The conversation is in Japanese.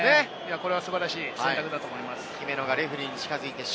これは素晴らしい選択だと思います。